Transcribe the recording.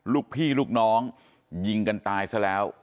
ลูกพี่ลูกน้องยิงกันตายซะแล้ว